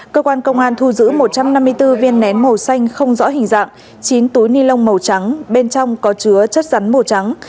cơ quan công an thu giữ một trăm năm mươi bốn viên nén màu xanh không rõ hình dạng chín túi ni lông màu trắng bên trong có chứa chất rắn màu trắng